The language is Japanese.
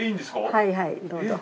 はいはいどうぞ。